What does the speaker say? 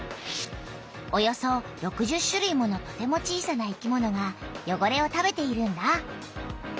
およそ６０種類ものとても小さな生きものがよごれを食べているんだ。